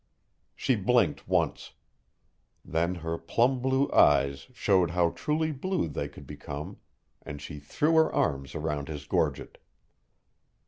She blinked once. Then her plum blue eyes showed how truly blue they could become and she threw her arms around his gorget.